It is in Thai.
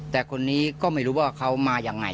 แต่คนนี้ก็ไม่รู้ว่าเขามายังไง